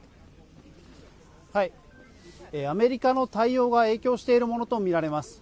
アメリカの対応が影響しているものと見られます。